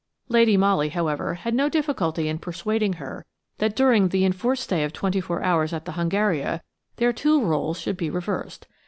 Lady Molly, however, had no difficulty in persuading her that during the enforced stay of twenty four hours at the Hungaria their two rôles should be reversed.